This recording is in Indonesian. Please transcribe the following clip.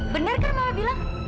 bener kan mama bilang